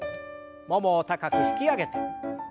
ももを高く引き上げて。